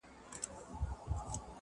له زړې بوډۍ لکړي مي شرمېږم٫